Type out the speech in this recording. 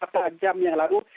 atau jam yang lalu